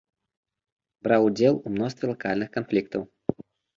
Браў удзел у мностве лакальных канфліктаў.